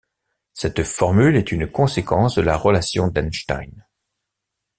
Cette formule est une conséquence de la relation d'Einstein.